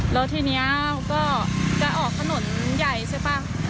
แล้วทีนี้ก็จะออกถนนใหญ่ใช่ป่ะ